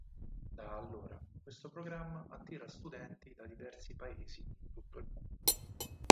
Da allora, questo programma attira studenti da diversi paesi in tutto il mondo.